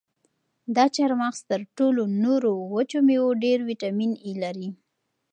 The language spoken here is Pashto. دا چهارمغز تر ټولو نورو وچو مېوو ډېر ویټامین ای لري.